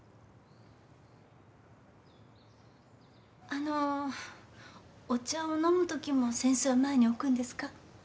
あのお茶を飲むときも扇子は前に置くんですか？